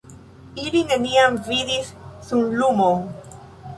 Ili neniam vidis sunlumon.